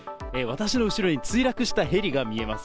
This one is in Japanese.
私の後ろに墜落したヘリが見えます。